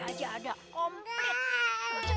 hp aja ada komplit